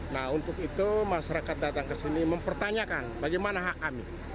nah untuk itu masyarakat datang ke sini mempertanyakan bagaimana hak kami